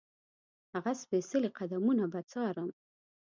هغه سپېڅلي قدمونه به څارم.